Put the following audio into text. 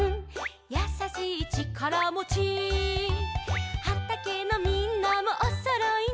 「やさしいちからもち」「はたけのみんなもおそろいね」